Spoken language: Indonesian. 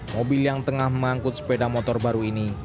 mobil yang tengah mengangkut sepeda motor baru ini